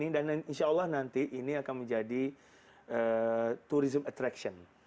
dan insya allah nanti ini akan menjadi tourism attraction